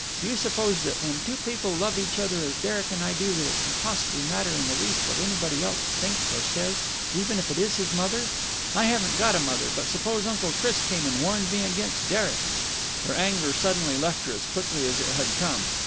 Do you suppose that, when two people love each other as Derek and I do, that it can possibly matter in the least what anybody else thinks or says, even if it is his mother? I haven't got a mother, but suppose Uncle Chris came and warned me against Derek...." Her anger suddenly left her as quickly as it had come.